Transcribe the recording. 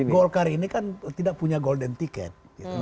golkar ini kan tidak punya golden ticket